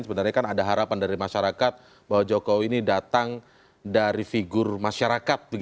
sebenarnya kan ada harapan dari masyarakat bahwa jokowi ini datang dari figur masyarakat